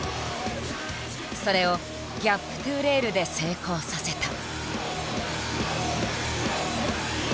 それを「ギャップｔｏレール」で成功させた。